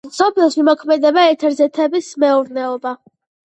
სოფელში მოქმედებდა ეთერზეთების მეურნეობა.